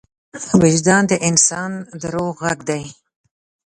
وجدان د انسان د روح غږ دی.